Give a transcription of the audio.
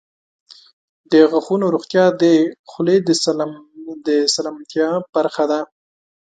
• د غاښونو روغتیا د خولې د سلامتیا برخه ده.